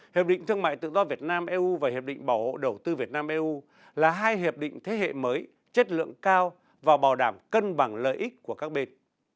hiệp định thương mại tự do việt nam eu và hiệp định bảo hộ đầu tư việt nam eu là hai hiệp định thế hệ mới chất lượng cao và bảo đảm cân bằng lợi ích của các bên